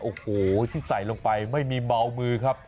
โอ้โหที่ใส่ลงไปไม่มีเมามือครับ